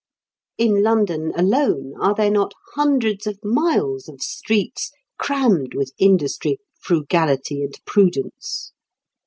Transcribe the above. In London alone are there not hundreds of miles of streets crammed with industry, frugality, and prudence?